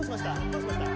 どうしました？